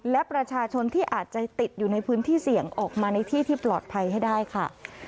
และประชาชนที่อาจจะติดอยู่ในพื้นที่เสี่ยงออกมาในที่ที่ปลอดภัยให้ได้ค่ะ